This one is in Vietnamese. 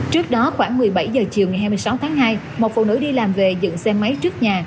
trước đó khoảng một mươi bảy h chiều ngày hai mươi sáu tháng hai một phụ nữ đi làm về dựng xe máy trước nhà